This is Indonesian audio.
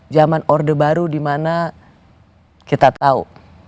zaman order baru dimana kita tahu